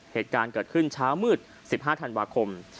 เหตุการณ์เกิดขึ้นเช้ามืด๑๕ธันวาคม